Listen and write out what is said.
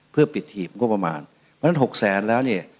เพื่อปิดหีบงบประมาณเพราะฉะนั้นหกแสนแล้วเนี่ย